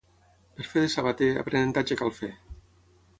Per fer de sabater aprenentatge cal fer.